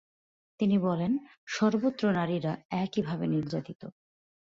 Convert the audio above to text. তিনি বলেন, সর্বত্র নারীরা একইভাবে নির্যাতিত।